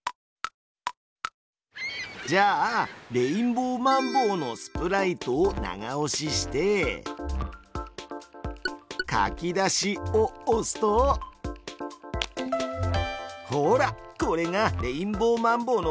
じゃあレインボーマンボウのスプライトを長押しして「書き出し」を押すとほらこれがレインボーマンボウのファイルだよ！